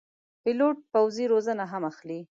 پیلوټ پوځي روزنه هم اخلي.